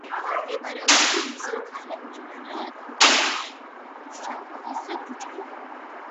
მდებარეობს მესხეთის ქუჩიდან თედორე უშაკოვის ქუჩამდე.